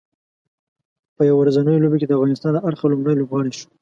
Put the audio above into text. په یو ورځنیو لوبو کې د افغانستان له اړخه لومړی لوبغاړی شو